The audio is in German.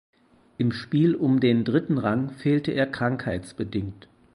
Im Spiel um den dritten Rang fehlte er krankheitsbedingt.